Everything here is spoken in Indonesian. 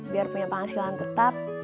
biar punya penghasilan tetap